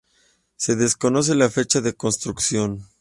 Se desconoce la fecha de construcción.